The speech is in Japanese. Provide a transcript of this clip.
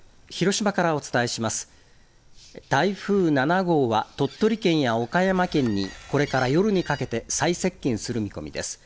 台風７号は鳥取県や岡山県にこれから夜にかけて最接近する見込みです。